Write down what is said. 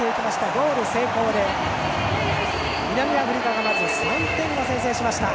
ゴール成功で南アフリカがまず３点を先制。